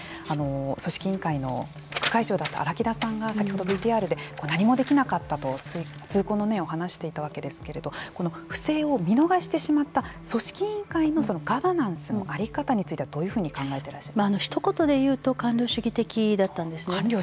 組織委員会の副会長だった荒木田さんが先ほどＶＴＲで何もできなかったと痛恨の念を話していたわけですけれども不正を見逃してしまった組織委員会のガバナンスの在り方についてはどういうふうに考えてますか。ひと言で言うと官僚主義的だったんですね。